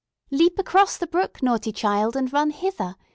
"Leap across the brook, naughty child, and run hither!